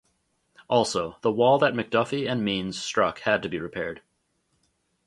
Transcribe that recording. Also, the wall that McDuffie and Means struck had to be repaired.